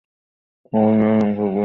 আগুন নেভানোর যন্ত্রগুলো কোথায়?